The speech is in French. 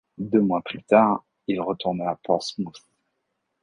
Deux mois plus tard, il retourna à Portsmouth.